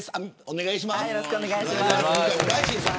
お願いします。